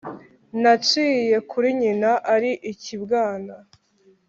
naciye kuri nyina ari ikibwana